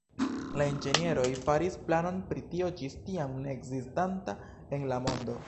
La inĝenieroj faris planon pri tio ĝis tiam ne ekzistanta en la mondo.